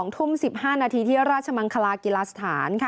ทุ่ม๑๕นาทีที่ราชมังคลากีฬาสถาน